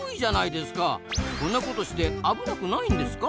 こんなことして危なくないんですか？